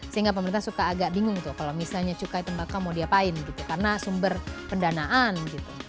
sehingga pemerintah suka agak bingung tuh kalau misalnya cukai tembakau mau diapain gitu karena sumber pendanaan gitu